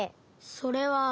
それは。